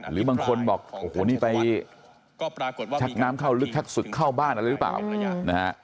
หรือบางคนบอกโอ้โหนี่ไปปรากฏชักน้ำเข้าลึกชักศึกเข้าบ้านอะไรหรือเปล่านะฮะ